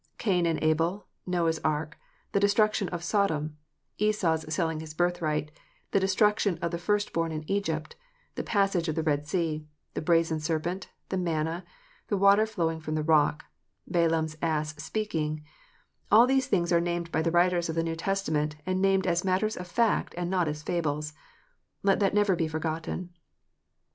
Cain and Abel, Noah s ark, the destruction of Sodom, Esau s selling his birthright, the destruction of the first born in Egypt, the passage of the Red Sea, the brazen serpent, the manna, the water flowing from the rock, Balaam s ass speaking, all these things are named by the writers of the New Testa ment, and named as matters of fact and not as fables. Let that never be forgotten.